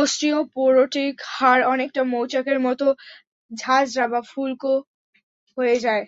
Osteoporotic হাড় অনেকটা মৌচাকের মতো ঝাঁজরা বা ফুলকো হয়ে যায়।